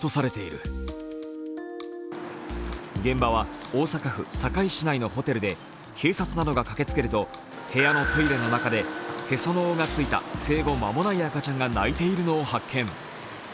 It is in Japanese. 現場は大阪府堺市内のホテルで警察などが駆けつけると部屋のトイレの中でへその緒がついた生後間もない赤ちゃんが泣いているのを発見。